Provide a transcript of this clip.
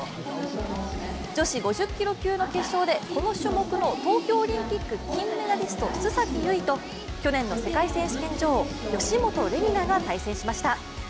女子５０キロ級の決勝でこの種目の東京オリンピック金メダリスト、須崎優衣と去年の世界選手権女王、吉元玲美那が対戦しました。